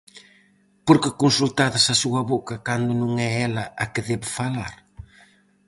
Por que consultades a súa boca cando non é ela a que debe falar?